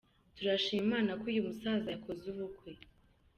Turashima Imana kuyu musaza yakoze ubukwe